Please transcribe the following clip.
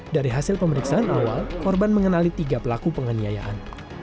dari hasil pemeriksaan awal korban mengenali tiga pelaku penganiayaan